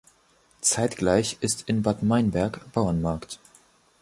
Zeitgleich ist in Bad Meinberg Bauernmarkt.